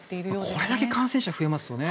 これだけ感染者が増えますとね。